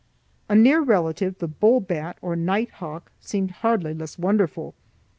A near relative, the bull bat, or nighthawk, seemed hardly less wonderful.